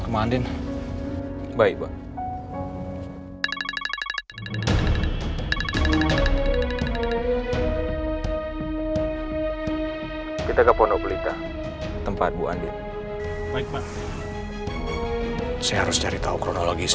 mending gue balik aja deh ke ruangan daripada kena bentak